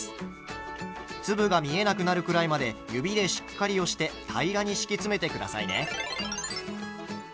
粒が見えなくなるくらいまで指でしっかり押して平らに敷き詰めて下さいね。